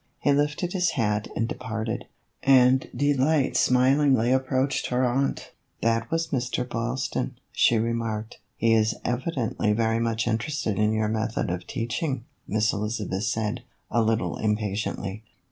He lifted his hat and departed, and Delight smilingly approached her aunt. "That was Mr. Boylston," she remarked. " He is evidently very much interested in your method of teaching," Miss Elizabeth said, a little impatiently.